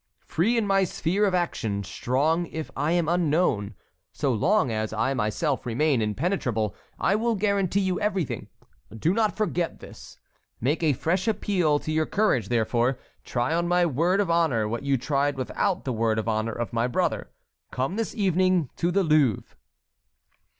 Free in my sphere of action, strong if I am unknown, so long as I myself remain impenetrable, I will guarantee you everything. Do not forget this. Make a fresh appeal to your courage, therefore. Try on my word of honor what you tried without the word of honor of my brother. Come this evening to the Louvre."